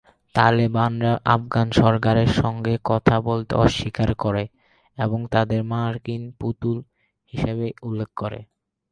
তালেবানরা Afghan সরকারের সঙ্গে কথা বলতে অস্বীকার করে, এবং তাদের মার্কিন "পুতুল" হিসাবে উল্লেখ করে।